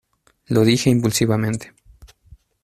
lo dije impulsivamente